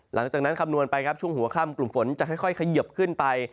หลังจากนั้นคำนวณไปช่วงหัวค่ำกลุ่มฝนจะค่อยขยบขึ้นไป